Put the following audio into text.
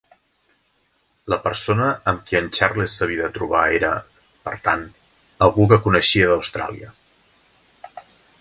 La persona amb qui en Charles s'havia de trobar era, per tant, algú que coneixia d'Austràlia.